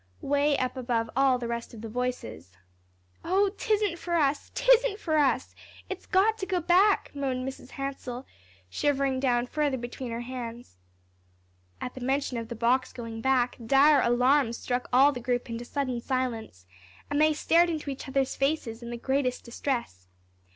_" way up above all the rest of the voices. "Oh, 'tisn't for us; 'tisn't for us. It's got to go back," moaned Mrs. Hansell, shivering down further between her hands. At the mention of the box going back, dire alarm struck all the group into sudden silence, and they stared into each other's faces in the greatest distress.